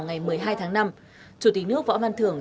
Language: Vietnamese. ngày một mươi hai tháng năm chủ tịch nước võ văn thưởng